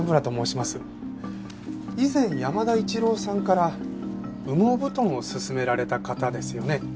以前山田一郎さんから羽毛布団をすすめられた方ですよね？